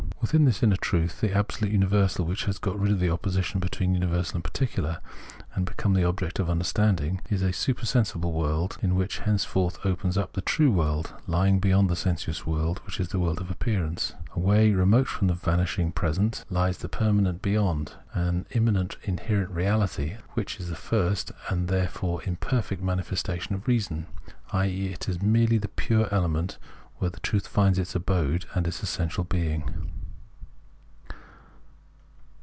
Within this inner truth, this absolute universal which has got rid of the opposition between imiversal and particular, and become the object of understanding, is a supersensible world which henceforth opens up as the true world, lying beyond the sensuous world which is the world of appearance. Away remote from the changing vanishing present (Diesseits) hes the permanent beyond (Jenseits) : an immanent inherent reahty {ein Ansich), which is the first and therefore imperfect manifestation of Reason, i.e. it is merely the pure element where the truth finds its abode and its essential being.